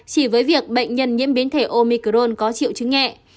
chỉ với việc bệnh nhân nhiễm biến thể omicron có triệu chứng nhẹ